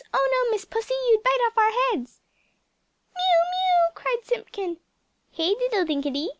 Oh, no, Miss Pussy, you'd bite off our heads!" "Mew! Mew!" cried Simpkin. "Hey diddle dinketty?"